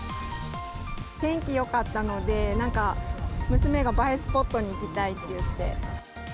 天気よかったので、なんか、娘が映えスポットに行きたいって言って。